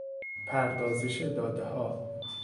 پردازش دادهها